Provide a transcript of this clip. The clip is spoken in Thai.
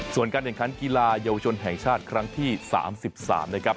ส่วนการใยงคันกีฬายาวชนแห่งชาติครั้งที่สามสิบสามนะครับ